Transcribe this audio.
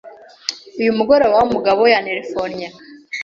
Uyu mugoroba, umugabo yanterefonnye.